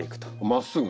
まっすぐ？